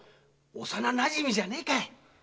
幼なじみじゃねえかい。